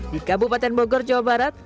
di kabupaten bogor jawa barat